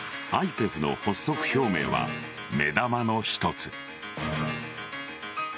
ＩＰＥＦの発足表明は目玉の一つ。